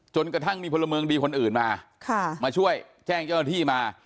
จนกระทั่งมีพลเมืองดีคนอื่นมามาช่วยแจ้งเจ้าหน้าที่มา